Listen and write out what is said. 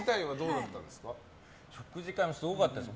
食事会もすごかったです。